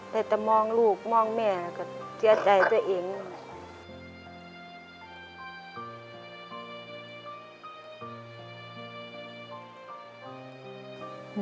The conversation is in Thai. แต่จะมองลูกมองแม่ก็เสียใจตัวเอง